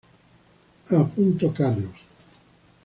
A. Carlos.